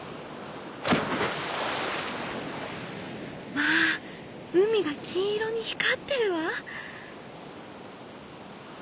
「まあ海が金色に光ってるわ！」。